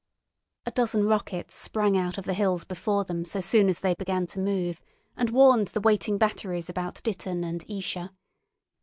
A dozen rockets sprang out of the hills before them so soon as they began to move, and warned the waiting batteries about Ditton and Esher.